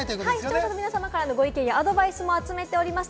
視聴者の皆さまからのご意見、アドバイスも集めております。